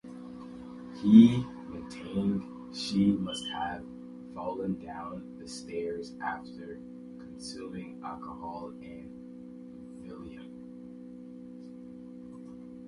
He maintained she must have fallen down the stairs after consuming alcohol and valium.